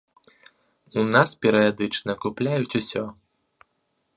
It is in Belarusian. У нас перыядычна купляюць усё.